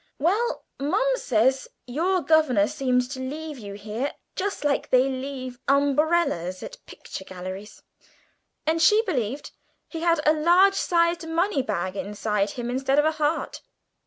"Well, Mums said your governor seemed to leave you here just like they leave umbrellas at picture galleries, and she believed he had a large sized money bag inside him instead of a heart."